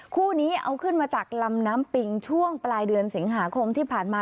คู่นี้เอาขึ้นมาจากลำน้ำปิงช่วงปลายเดือนสิงหาคมที่ผ่านมา